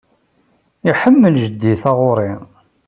Iḥemmel Jeddi taɣuṛi.